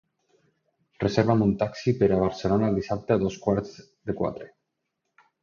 Reserva'm un taxi per ser a Barcelona el dissabte a dos quarts de quatre.